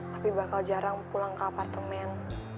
tapi bakal jarang pulang ke apartemen